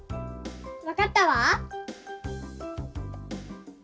わかったわ！